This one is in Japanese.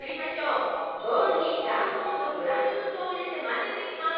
ボウルに卵黄とグラニュー糖を入れて混ぜていきます。